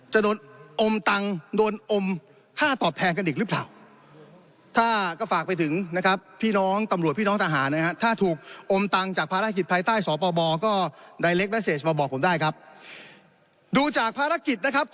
จะโดนอมตังค์โดนอมค่าตอบแทนกันอีกหรือเปล่า